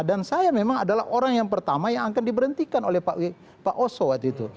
dan saya memang adalah orang yang pertama yang akan diberhentikan oleh pak oso waktu itu